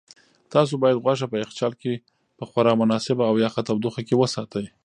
تاسو باید غوښه په یخچال کې په خورا مناسبه او یخه تودوخه کې وساتئ.